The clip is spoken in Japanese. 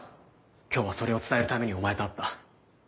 今日はそれを伝えるためにお前と会った。